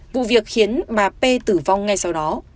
vụ việc khiến bà p tử vong ngay sau đó